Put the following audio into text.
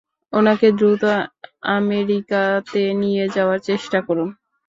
ওনাকে দ্রুত আমেরিকাতে নিয়ে যাওয়ার চেষ্টা করুন।